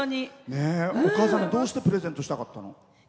お母さんにどうしてプレゼントしたかったの？